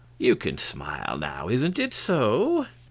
You can smile now isn't it so?"